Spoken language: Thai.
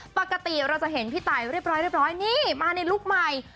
ปกติเราจะเห็นพี่ตายเรียบร้อยนี่มาในลุคใหม่